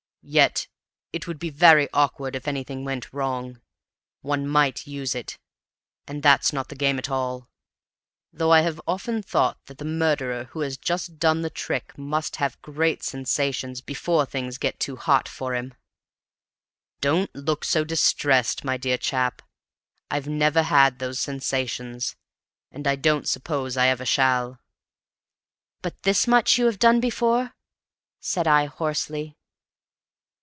Yet it would be very awkward if anything went wrong; one might use it, and that's not the game at all, though I have often thought that the murderer who has just done the trick must have great sensations before things get too hot for him. Don't look so distressed, my dear chap. I've never had those sensations, and I don't suppose I ever shall." "But this much you have done before?" said I hoarsely.